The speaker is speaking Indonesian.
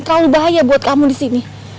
terlalu bahaya buat kamu disini